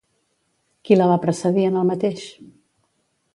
Qui la va precedir en el mateix?